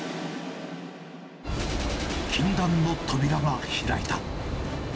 禁断の扉が開いた。